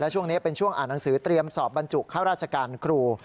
ช่วงนี้เป็นช่วงอ่านหนังสือเตรียมสอบบรรจุข้าราชการครู